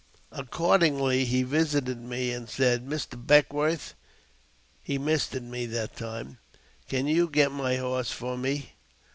Accordingly, he visited me, and said, "Mr. Beckwourth " (he mistered me that time), " can you get my horse for me?